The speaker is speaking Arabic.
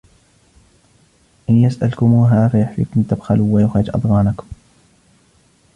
إن يسألكموها فيحفكم تبخلوا ويخرج أضغانكم